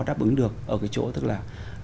đáp ứng được ở cái chỗ tức là